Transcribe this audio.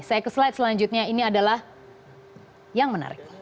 saya ke slide selanjutnya ini adalah yang menarik